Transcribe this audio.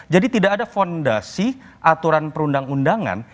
jadi tidak ada fondasi aturan perundang undangan